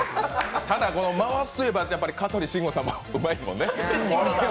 ただ回すといえば香取慎吾さんもうまいですもんね。